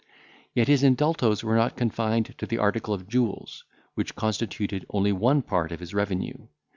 Yet his indultos were not confined to the article of jewels, which constituted only one part of his revenue.